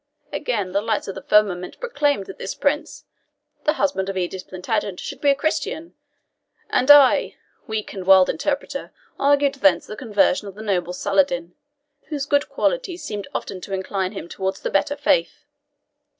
Again, the lights of the firmament proclaimed that this prince, the husband of Edith Plantagenet, should be a Christian; and I weak and wild interpreter! argued thence the conversion of the noble Saladin, whose good qualities seemed often to incline him towards the better faith.